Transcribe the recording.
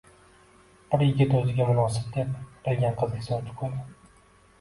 Bir yigit o'ziga munosib deb bilgan qizga sovchi qo'ydi